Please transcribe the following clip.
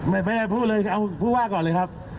ไม่ได้พูดเลยเอาผู้ว่าก่อนเลยครับ